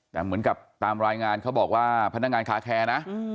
แต่เหมือนกับตามรายงานเขาบอกว่าพนักงานคาแคร์นะ